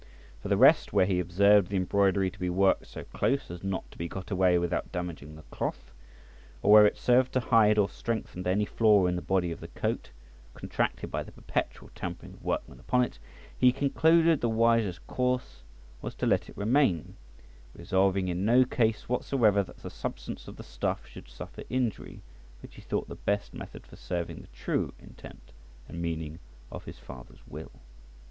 For the rest, where he observed the embroidery to be worked so close as not to be got away without damaging the cloth, or where it served to hide or strengthened any flaw in the body of the coat, contracted by the perpetual tampering of workmen upon it, he concluded the wisest course was to let it remain, resolving in no case whatsoever that the substance of the stuff should suffer injury, which he thought the best method for serving the true intent and meaning of his father's will.